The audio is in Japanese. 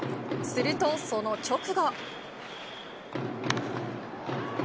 すると、その直後。